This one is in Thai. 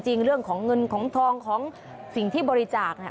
เรื่องของเงินของทองของสิ่งที่บริจาค